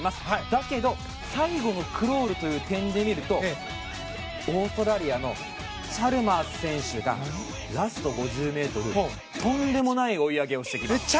だけど最後のクロールという点で見るとオーストラリアのチャルマース選手がラスト５０ｍとんでもない追い上げをしてきます。